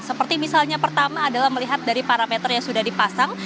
seperti misalnya pertama adalah melihat dari parameter yang sudah dipasang